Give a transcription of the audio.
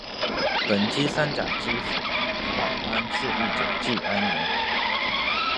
苯基三甲基氟化铵是一种季铵盐。